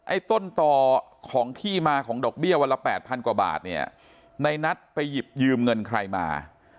ไอ้ต้นต่อของที่มาของดอกเบี้ยวันละ๘๐๐๐บาทในนัทไปหยิบยืมเงินคลายมา